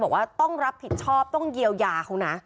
บอกว่าต้องรับผิดชอบต้องเยียวยาเขานะ